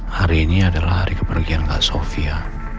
hari ini adalah hari kepergian kak sofia